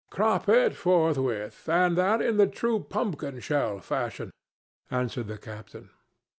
"Crop it forthwith, and that in the true pumpkin shell fashion," answered the captain.